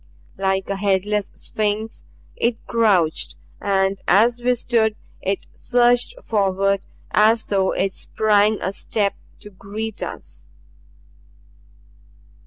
Like a headless Sphinx it crouched and as we stood it surged forward as though it sprang a step to greet us.